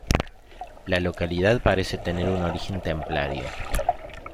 La localidad parece tener un origen templario.